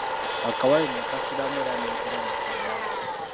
Akawale nakasulamu era n'enkeera n'akaddamu.